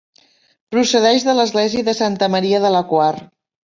Procedeix de l'església de Santa Maria de la Quar.